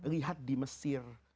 lihat di mesir